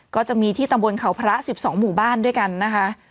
ก็จะมีที่ตำบลเขาพระ๑๒หมู่บ้านด้วยกันนะคะ